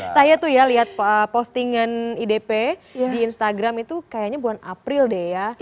saya tuh ya lihat postingan idp di instagram itu kayaknya bulan april deh ya